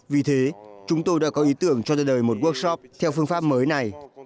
vì thế chúng tôi đã có ý tưởng cho ra đời một workshop theo phương pháp mới này